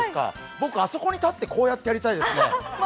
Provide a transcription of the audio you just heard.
僕、あそこに立ってこうやりたいですね。